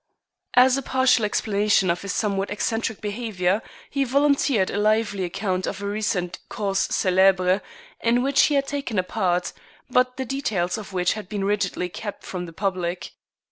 As a partial explanation of his somewhat eccentric behavior, he volunteered a lively account of a recent cause celebre, in which he had taken a part, but the details of which had been rigidly kept from the public.